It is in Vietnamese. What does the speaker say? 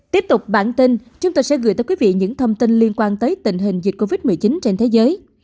tiếp tục bản tin chúng tôi sẽ gửi tới quý vị những thông tin liên quan tới tình hình dịch covid một mươi chín trên thế giới